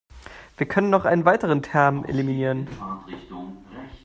Wir können noch einen weiteren Term eliminieren.